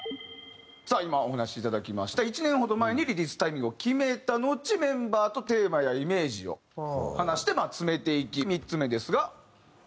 さあ今お話しいただきました１年ほど前にリリースタイミングを決めたのちメンバーとテーマやイメージを話してまあ詰めていき３つ目ですが。